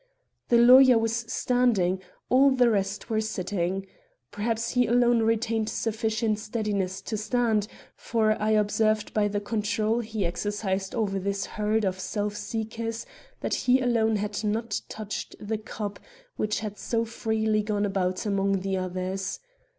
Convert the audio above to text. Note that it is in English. The lawyer was standing; all the rest were sitting. Perhaps he alone retained sufficient steadiness to stand; for I observed by the control he exercised over this herd of self seekers, that he alone had not touched the cup which had so freely gone about among the others.